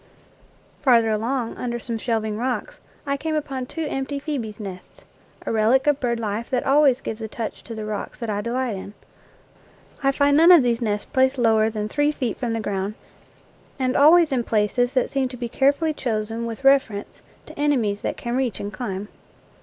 Farther along, under some shelving rocks, I came upon two empty phcebes' nests a relic of bird life that always gives a touch to the rocks that I delight in. I find none of these nests placed lower than three feet from the ground, and always in places that seem to be carefully chosen with reference to enemies that can reach and climb.